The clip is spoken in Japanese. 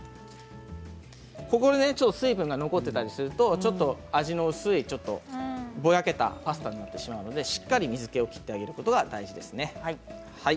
ここで水分が残ったりするとちょっと味の薄いぼやけたパスタになってしまうのでしっかり水けを切ってあげることが大事ですね。